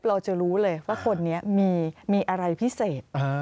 เราจะรู้เลยว่าคนนี้มีอะไรพิเศษ